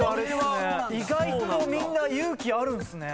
意外とみんな勇気あるんすね。